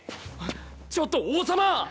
ちょっと王様！